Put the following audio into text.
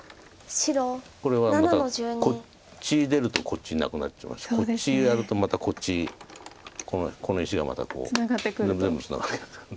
これはまたこっち出るとこっちなくなっちゃいますからこっちやるとまたこっちこの石がまた全部ツナがってくる。